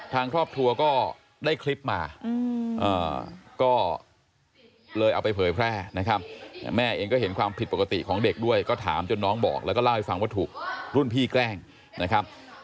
ทางครอบครัวก็ได้คลิปมาก็เลยเอาไปเผยแพร่นะครับแม่เองก็เห็นความผิดปกติของเด็กด้วยก็ถามจนน้องบอกแล้วก็เล่าให้ฟังว่าถูกรุ่นพี่แกล้งนะครับ